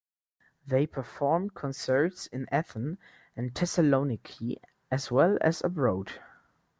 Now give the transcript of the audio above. They performed concerts in Athens and Thessaloniki as well as abroad.